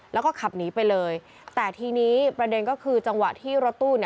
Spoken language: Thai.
แล้วก็ขับหนีไปเลยแต่ทีนี้ประเด็นก็คือจังหวะที่รถตู้เนี่ย